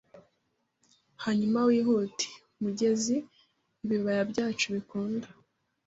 hanyuma wihute mu mugezi Ibibaya byacu bikunda